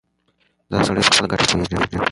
دا سړی په خپله ګټه پوهېږي.